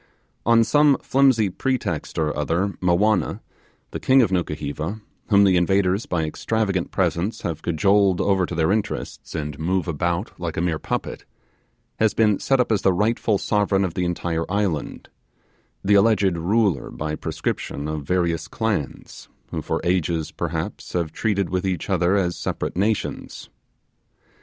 On some flimsy pretext or other Mowanna, the king of Nukuheva, whom the invaders by extravagant presents had cajoled over to their interests, and moved about like a mere puppet, has been set up as the rightful sovereign of the entire island the alleged ruler by prescription of various clans, who for ages perhaps have treated with each other as separate nations.